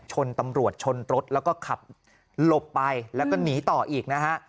ชนตำรวจชนรถแล้วก็ขับหลบไปแล้วก็หนีต่ออีกนะฮะ